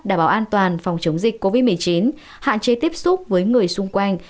đảm bảo an toàn phòng chống dịch covid một mươi chín hạn chế tiếp xúc với người xung quanh